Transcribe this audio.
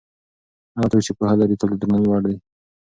هغه څوک چې پوهه لري تل د درناوي وړ دی.